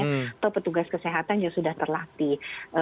atau petugas kesehatan yang sudah terlatih